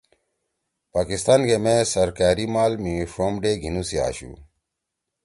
پاکستان گے مے سرکأری مال می ݜوم ڈے گھینُو سی آشُو